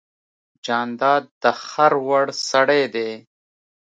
جانداد د باور وړ سړی دی.